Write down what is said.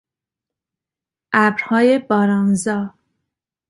ابرهای بارانزا